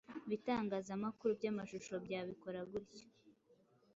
ibitangaza makuru by’amashusho byabikora gutyo